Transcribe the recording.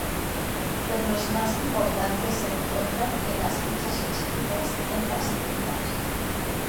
Pero los más importantes se encuentran en las fechas inscritas en las cintas.